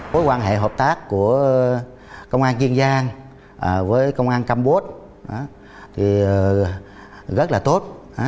mối quan hệ hợp tác của công an kiên giang với công an campuchia thì rất là tốt